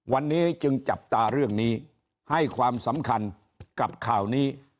วันนี้จึงจับตาเรื่องนี้ให้ความสำคัญกับข่าวนี้